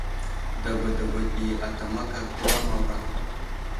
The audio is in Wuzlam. Dagwa dagwa ɗi ata makar təwa a Mawra.